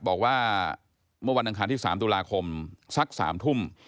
บอกว่าเมื่อวันอังคารที่๓ตุลาคมสัก๓ทุ่ม